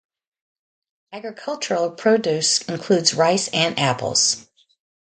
Agricultural produce includes rice and apples.